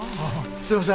すみません